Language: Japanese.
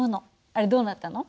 あれどうなったの？